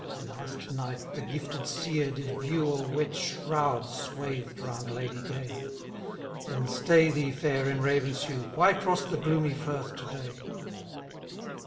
Last night the gifted Seer did view A wet shroud swathed ^ round ladye gay ; Then stay thee, Fair, in Ravensheuch : Why cross the gloomy firth to day